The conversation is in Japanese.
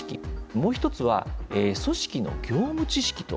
もう１つは、組織の業務知識と。